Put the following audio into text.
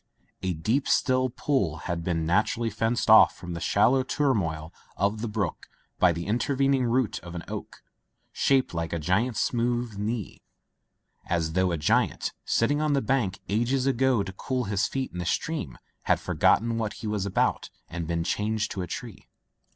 A deep still pool had been naturally fenced off from the shallow turmoil of the brook by the intervening root of an oak, shaped like a great smooth knee — ^as [ 283 ] Digitized by LjOOQ IC Interventions though a giant, sitting on the bank ages ago to cool his feet in the stream had for gotten what he was about and been changed to a tree.